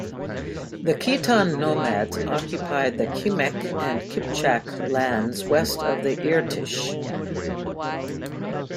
The Khitan nomads occupied the Kimek and Kipchak lands west of the Irtysh.